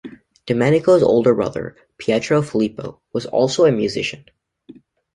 Domenico's older brother Pietro Filippo was also a musician.